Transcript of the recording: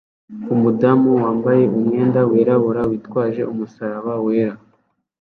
umudamu wambaye umwenda wirabura witwaje umusaraba wera